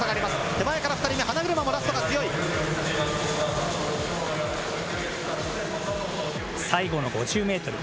手前から２人、花車もラストが強最後の５０メートル。